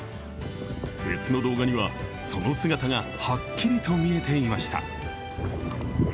別の動画には、その姿がはっきりと見えていました。